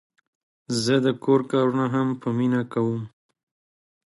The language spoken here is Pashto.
زه د کور کارونه هم په مینه کوم.